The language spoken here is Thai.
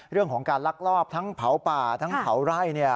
เรื่องของการลักลอบทั้งเผาป่าทั้งเผาไร่